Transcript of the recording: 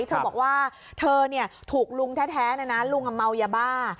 เธอบอกว่าเธอเนี่ยถูกลุงแท้ในนั้นนะลุงอำเมายาบ้า